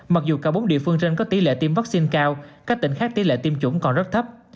mặc dù cả bốn địa phương trên có tỷ lệ tiêm vaccine cao các tỉnh khác tỷ lệ tiêm chủng còn rất thấp